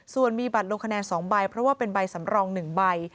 ส่วนมีบัตรลงคะแนน๒ใบเพราะว่าเป็นใบสำรอง๑ใบ